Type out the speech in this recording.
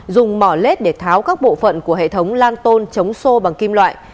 dùng mỏ lết để tháo các bộ phận của hệ thống lan tôn chống sô bằng kim loại